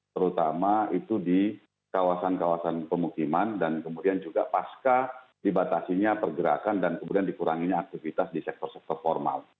terutama itu di kawasan kawasan pemukiman dan kemudian juga pasca dibatasinya pergerakan dan kemudian dikuranginya aktivitas di sektor sektor formal